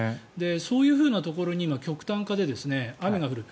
そういうところに極端化で雨が降る。